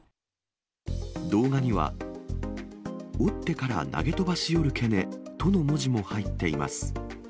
動画には、おってから投げ飛ばしよるけねとの文字も入っています。